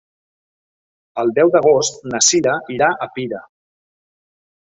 El deu d'agost na Sira irà a Pira.